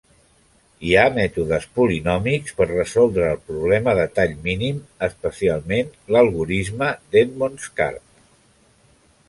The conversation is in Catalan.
Hi ha mètodes polinòmics per resoldre el problema de tall mínim, especialment l'algorisme d'Edmonds-Karp.